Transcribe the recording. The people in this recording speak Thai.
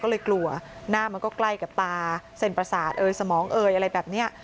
ก็เลยกลัวหน้ามันก็ใกล้กับตาเส้นประสาทเอยสมองเอยอะไรแบบนี้